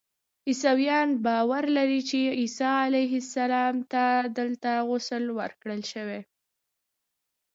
عیسویان باور لري چې عیسی علیه السلام ته دلته غسل ورکړل شوی.